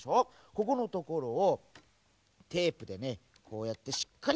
ここのところをテープでねこうやってしっかりとめます。